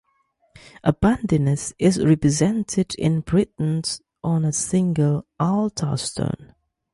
Abandinus is represented in Britain on a single altarstone.